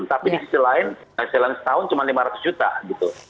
tapi di sisi lain hasilnya setahun cuma lima ratus juta gitu